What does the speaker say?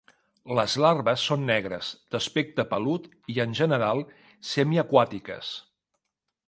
Les larves són negres, d'aspecte pelut i, en general, semiaquàtiques.